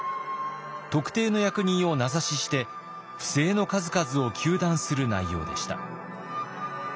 特定の役人を名指しして不正の数々を糾弾する内容でした。